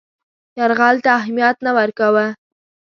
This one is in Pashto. یرغل ته اهمیت نه ورکاوه.